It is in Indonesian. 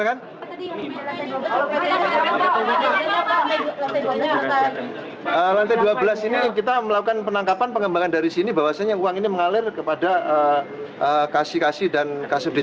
lantai dua lantai dua belas ini kita melakukan penangkapan pengembangan dari sini bahwasannya uang ini mengalir kepada kasih kasih dan kasih